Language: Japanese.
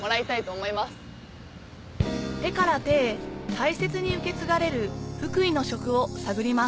手から手へ大切に受け継がれる福井の食を探ります